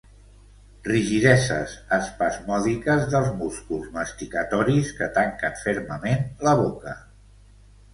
Rigideses espasmòdiques dels músculs masticatoris que tanquen fermament la boca.